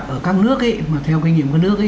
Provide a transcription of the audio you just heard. ở các nước theo kinh nghiệm các nước